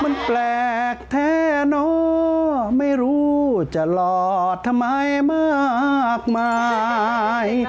มันแปลกแท้เนาะไม่รู้จะหล่อทำไมมากมาย